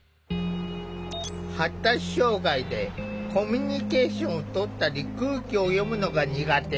発達障害でコミュニケーションをとったり空気を読むのが苦手。